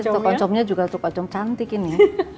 ini tutuk oncomnya juga tutuk oncom cantik ini